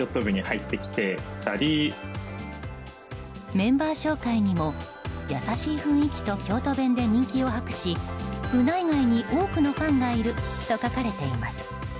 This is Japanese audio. メンバー紹介にも優しい雰囲気と京都弁で人気を博し、部内外に多くのファンがいると書かれています。